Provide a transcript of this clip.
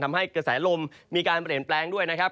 กระแสลมมีการเปลี่ยนแปลงด้วยนะครับ